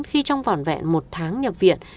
khi trong vỏn vẹn một tháng nhập viện